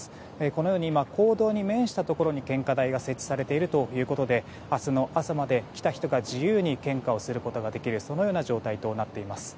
このように今公道に面したところに献花台が設置されているということで明日の朝まで来た人が自由に献花ができる状態となっています。